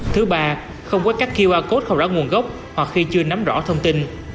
thứ ba không có cắt qr code không ra nguồn gốc hoặc khi chưa nắm rõ thông tin